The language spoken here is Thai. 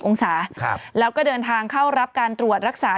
องศาแล้วก็เดินทางเข้ารับการตรวจรักษา